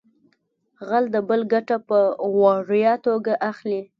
غل د بل ګټه په وړیا توګه اخلي